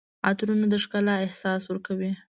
عطرونه د ښکلا احساس ورکوي.